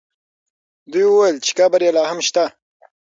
دوی وویل چې قبر یې لا هم شته.